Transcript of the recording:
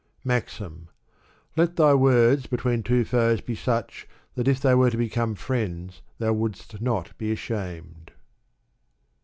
MAXIM. Let thy words between two foes be such that if they were to become friends thou wouldst not be ashamed.